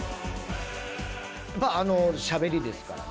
まああのしゃべりですからね